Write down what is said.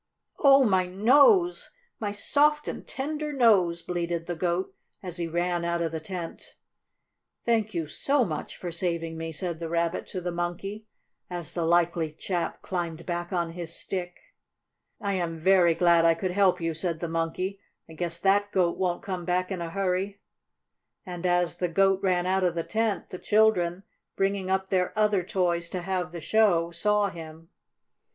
"Oh, my nose! My soft and tender nose!" bleated the Goat, as he ran out of the tent. "Thank you, so much, for saving me," said the Rabbit to the Monkey, as the likely chap climbed back on his stick. "I am very glad I could help you," said the Monkey. "I guess that Goat won't come back in a hurry!" And as the Groat ran out of the tent, the children, bringing up their other toys to have the show, saw him.